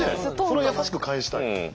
それを優しく返したい。